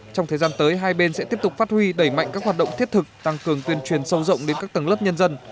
trong thời gian tới hai bên sẽ tiếp tục phát huy đẩy mạnh các hoạt động thiết thực tăng cường tuyên truyền sâu rộng đến các tầng lớp nhân dân